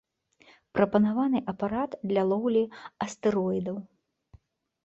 Прапанаваны апарат для лоўлі астэроідаў.